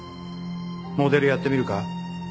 モデルやってみるか？